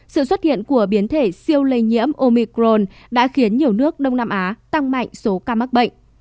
sự xuất hiện của biến thể siêu lây nhiễm omicron đã khiến nhiều nước đông nam á tăng mạnh số ca mắc bệnh